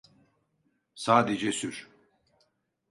Sadece sür.